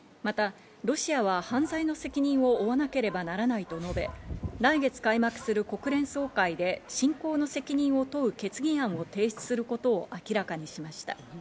またロシアは犯罪の責任を負わなければならないと述べ、来月開幕する国連総会で侵攻の責任を問う決議案を提出することを明らかにしました。